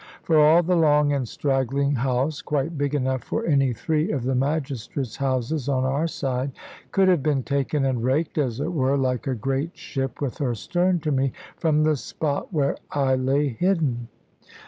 For all the long and straggling house (quite big enough for any three of the magistrates' houses on our side) could have been taken and raked (as it were) like a great ship with her stern to me, from the spot where I lay hidden.